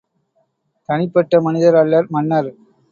தனிப்பட்ட மனிதர் அல்லர் மன்னர்.